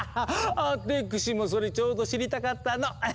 アテクシもそれちょうど知りたかったの！